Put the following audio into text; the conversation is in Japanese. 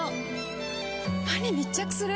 歯に密着する！